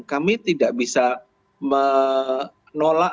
kami tidak bisa menolak